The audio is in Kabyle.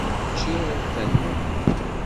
Ččiɣ-ten.